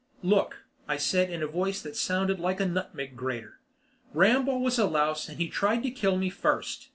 "Look," I said in a voice that sounded like a nutmeg grater, "Rambaugh was a louse and he tried to kill me first.